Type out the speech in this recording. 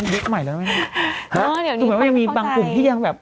เหรอเดี๋ยวนี้มันเข้าใจหมายว่ายังมีบางกลุ่มที่ยังแบบ